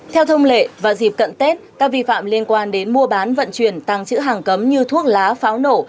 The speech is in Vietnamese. theo thông lệ và dịp cận tết các vi phạm liên quan đến mua bán vận chuyển tăng chữ hàng cấm như thuốc lá pháo nổ